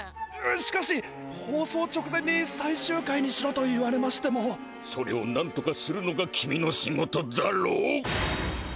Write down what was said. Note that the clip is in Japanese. しかし放送直前にさいしゅう回にしろと言われましても。それをなんとかするのが君の仕事だろ？